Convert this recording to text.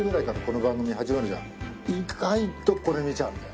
意外とこれ見ちゃうんだよ。